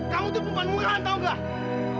kamu itu perempuan murahan tahu gak